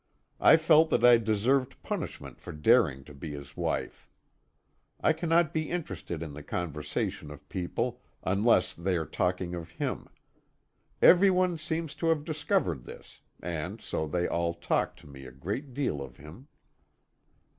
I felt that I deserved punishment for daring to be his wife. I cannot be interested in the conversation of people, unless they are talking of him. Every one seems to have discovered this, and so they all talk to me a great deal of him.